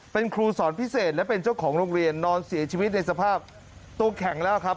เป็นครูสอนพิเศษและเป็นเจ้าของโรงเรียนนอนเสียชีวิตในสภาพตัวแข็งแล้วครับ